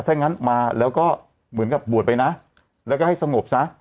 ถ้างั้นมาแล้วก็เหมือนกับบวชไปนะแล้วก็ให้สงบซะ